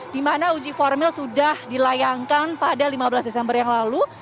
di mana uji formil sudah dilayangkan pada lima belas desember yang lalu